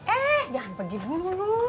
eh jangan pergi dulu